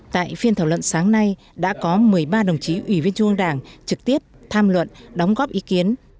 tại phiên thảo luận sáng nay đã có một mươi ba đồng chí ủy viên trung ương đảng trực tiếp tham luận đóng góp ý kiến